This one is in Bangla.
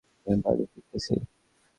আমি বাড়ি ফিরতেছি।